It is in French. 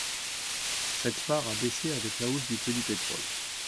Cette part a baissé avec la hausse du prix du pétrole.